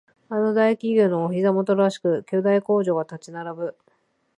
あの大企業のお膝元らしく巨大工場が立ち並ぶ